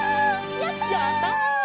やった！